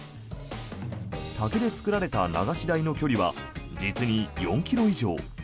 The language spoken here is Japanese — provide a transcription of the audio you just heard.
竹で作られた流し台の距離は実に４ｋｍ以上。